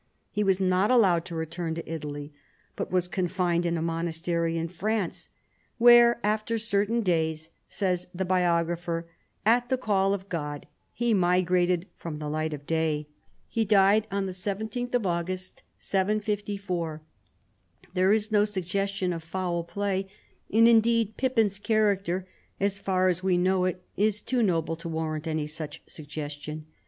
He was not allowed to return to Italy, but was confined in a monastery in France, " where after certain days," says the biog rapher, " at the call of God he migrated from the light of day." lie died on the 17th of August, 754. There is no suggestion of foul play, and indeed Pippin's character, as far as we know it, is too noble to warrant any such suggestion.